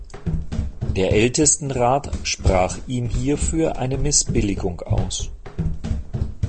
Der Ältestenrat sprach ihm hierfür eine Missbilligung aus.